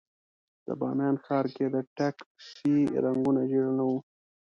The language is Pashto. د بامیان ښار کې د ټکسي رنګونه ژېړ نه وو.